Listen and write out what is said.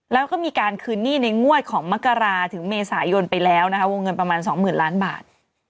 แล้วก็มีการคืนหนี้ในงวดของมกราถึงเมษายนไปแล้วนะคะวงเงินประมาณ๒๐๐๐ล้านบาท